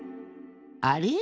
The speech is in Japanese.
あれ？